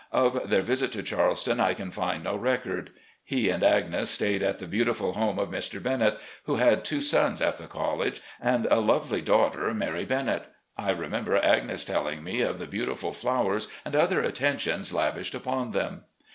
Of their visit to Charleston I can find no record. He and Agnes stayed at the beautiful home of Mr. Bennet, who had two sons at the college, and a lovely daughter, Mary Bennet. I remember Agnes' telling me of the beautiful flowers and other attentions lavished upon them.